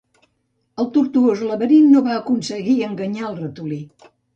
El tortuós laberint no va aconseguir enganyar el ratolí.